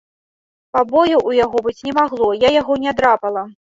Пабояў у яго быць не магло, я яго не драпала.